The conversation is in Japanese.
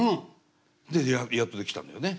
でやっとで来たんだよね？